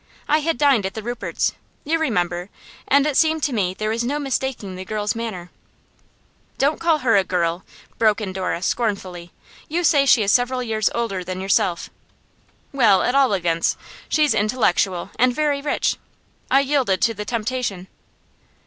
I had dined at the Ruperts' you remember and it seemed to me there was no mistaking the girl's manner.' 'Don't call her a girl!' broke in Dora, scornfully. 'You say she is several years older than yourself.' 'Well, at all events, she's intellectual, and very rich. I yielded to the temptation.